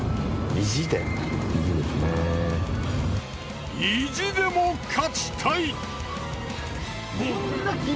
意地でも勝ちたい！